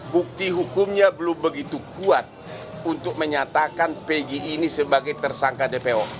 bukti hukumnya belum begitu kuat untuk menyatakan pg ini sebagai tersangka dpo